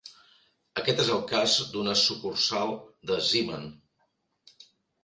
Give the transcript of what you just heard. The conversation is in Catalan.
Aquest és el cas d"una sucursal de Zeeman.